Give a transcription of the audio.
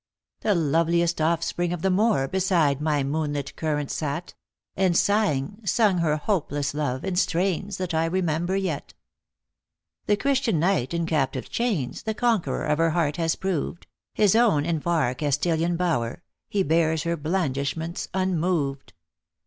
The loveliest offspring of the Moor Beside my moon lit current sat ; And, sighing, sung her hopeless love, In strains, that I remember yet. The Christian knight, in captive chains, The conqueror of her heart has proved ; His own, in far Castilian bower, He bears her blandishments unmoved.